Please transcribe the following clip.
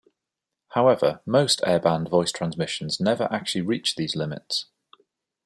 However, most airband voice transmissions never actually reach these limits.